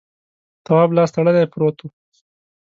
تواب لاس تړلی پروت و.